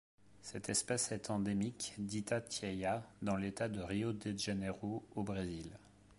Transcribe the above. Cette espèce est endémique d'Itatiaia dans l'État de Rio de Janeiro au Brésil.